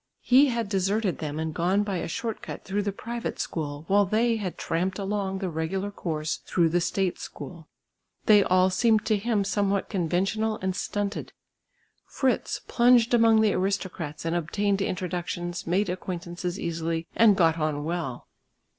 He had deserted them and gone by a short cut through the private school, while they had tramped along the regular course through the state school. They all seemed to him somewhat conventional and stunted. Fritz plunged among the aristocrats and obtained introductions, made acquaintances easily and got on well.